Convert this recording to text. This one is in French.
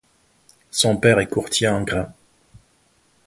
Son père est courtier en grains.